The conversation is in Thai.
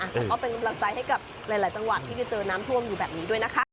ก็เป็นกำลังใจให้กับหลายจังหวัดที่จะเจอน้ำท่วมอยู่แบบนี้ด้วยนะคะ